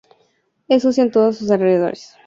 Es sucia en todos sus alrededores.